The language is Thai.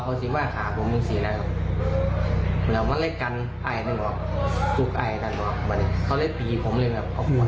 มันจะเอาใหม่กรอพนี่เลยครับตีผม